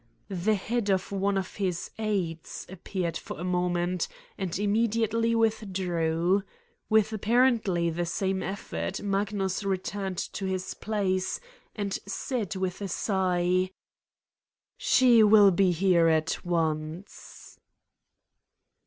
The head of one of his aides appeared for a moment and immediately with drew. With apparently the same effort Magnus returned to his place and said with a sigh: "She will be here at once."